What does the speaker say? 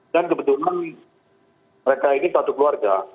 dan kebetulan mereka ini satu keluarga